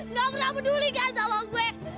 gak pernah peduli kan sama gue